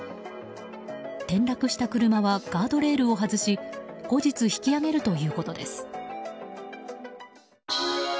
転落した車はガードレールを外し後日、引き上げるということです。